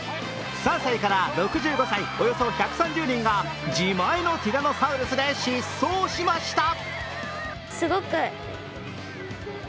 ３歳から６５歳およそ１３０人が自前のティラノサウルスで疾走しました。